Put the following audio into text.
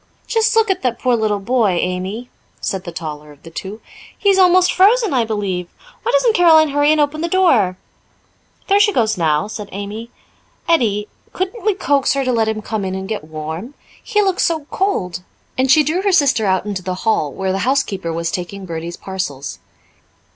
"Just look at that poor little boy, Amy," said the taller of the two. "He is almost frozen, I believe. Why doesn't Caroline hurry and open the door?" "There she goes now," said Amy. "Edie, couldn't we coax her to let him come in and get warm? He looks so cold." And she drew her sister out into the hall, where the housekeeper was taking Bertie's parcels.